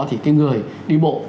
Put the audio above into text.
thì cái người đi bộ